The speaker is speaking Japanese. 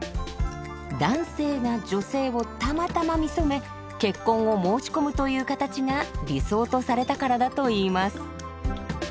男性が女性をたまたま見初め結婚を申し込むという形が理想とされたからだといいます。